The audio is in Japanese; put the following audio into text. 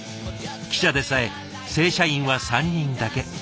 記者でさえ正社員は３人だけ。